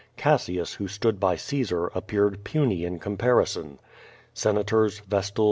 Cassius, who stood by Caesar, appeared puny in comparison. Senators, vestal?